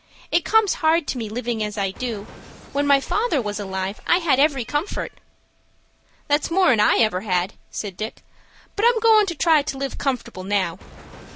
It comes hard to me living as I do. When my father was alive I had every comfort." "That's more'n I ever had," said Dick. "But I'm goin' to try to live comfortable now.